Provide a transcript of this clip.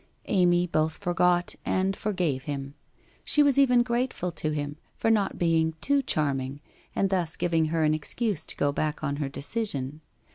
Amy both forgot, and for gave him. She was even grateful to him for not being too charming, and thus giving her an excuse to go back on her decision.